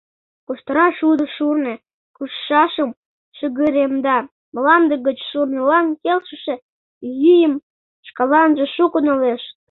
Куштыра шудо шурно кушшашым шыгыремда, мланде гыч шурнылан келшыше ӱйым шкаланже шуко налеш.